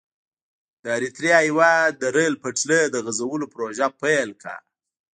د اریتریا هېواد د ریل پټلۍ د غزولو پروژه پیل کړه.